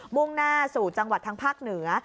มุ่งหน้าสู่จังหวัดทางภาคเหนือ